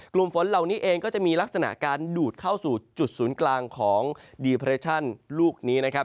กลุ่มฝนเหล่านี้เองก็จะมีลักษณะการดูดเข้าสู่จุดศูนย์กลางของดีเรชั่นลูกนี้นะครับ